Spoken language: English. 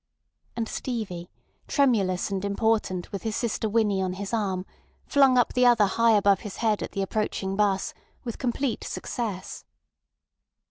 And Stevie, tremulous and important with his sister Winnie on his arm, flung up the other high above his head at the approaching 'bus, with complete success.